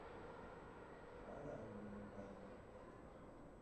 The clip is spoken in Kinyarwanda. bari aho mu ngando